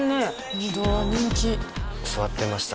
ホントだ人気座ってました